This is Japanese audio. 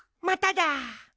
まただ。